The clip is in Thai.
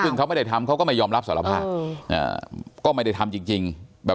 ซึ่งเขาไม่ได้ทำเขาก็ไม่ยอมรับสารภาพก็ไม่ได้ทำจริงแบบ